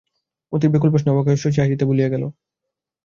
মতির ব্যাকুল প্রশ্নে অবাক হইয়া শশী হাসিতে ভুলিয়া গেল।